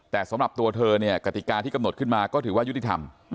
แต่สำหรับตัวเธอเนี่ยกติกาที่กำหนดขึ้นมาก็ถือว่ายุติธรรม